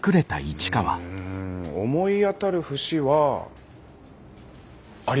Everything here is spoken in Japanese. うん思い当たる節はあります。